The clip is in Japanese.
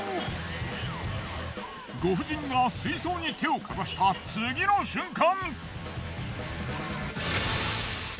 ご婦人が水槽に手をかざした次の瞬間！